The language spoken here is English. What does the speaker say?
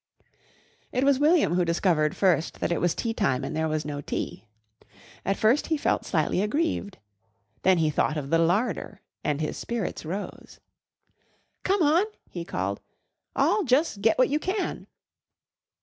It was William who discovered first that it was tea time and there was no tea. At first he felt slightly aggrieved. Then he thought of the larder and his spirits rose. "Come on!" he called. "All jus' get what you can."